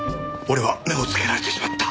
俺は目をつけられてしまった